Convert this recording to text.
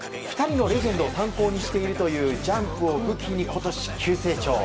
２人のレジェンドを参考にしているというジャンプを武器に今年、急成長。